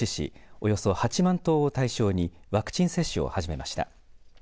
およそ８万頭を対象にワクチン接種を始めました。